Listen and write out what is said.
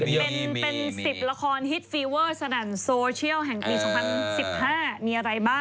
ก็เรียกว่าเป็น๑๐ละครฮิตฟีเวอร์สถานโซเชียลแห่งกรีม๒๐๑๕มีอะไรบ้าง